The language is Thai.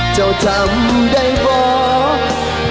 เจ้าจำได้เพราะ